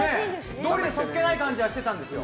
どおりでそっけない感じはしてたんですよ。